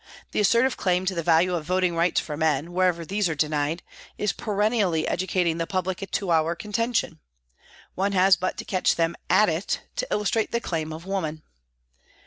The assertive claim to the value of voting rights for men, wherever these are denied, is perennially educating the public to our contention ; one has but to catch them "at it " to illustrate the claim of women.